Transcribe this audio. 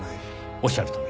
おっしゃるとおり。